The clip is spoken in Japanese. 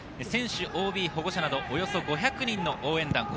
選手・ＯＢ・保護者など、およそ５００人の応援団。